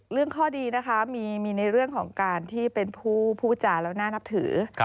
ข้อดีนะคะมีในเรื่องของการที่เป็นผู้พูดจาแล้วน่านับถือ